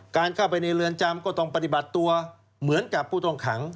การเข้าไปในเรือนจำก็ต้องปฏิบัติตัวเหมือนกับผู้ต้องขัง